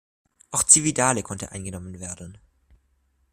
Auch Cividale konnte eingenommen werden.